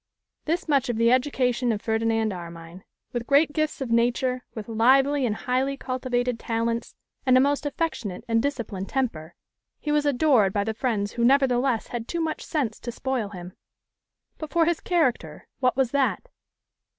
This much of the education of Ferdinand Armine. With great gifts of nature, with lively and highly cultivated talents, and a most affectionate and disciplined temper, he was adored by the friends who nevertheless had too much sense to spoil him. But for his character, what was that?